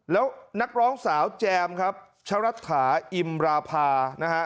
แล้วนักร้องสาวแจมครับชะรัฐาอิมราภานะฮะ